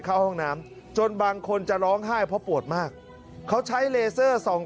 เข้าห้องน้ำจนบางคนจะร้องไห้เพราะปวดมากเขาใช้เลเซอร์ส่อง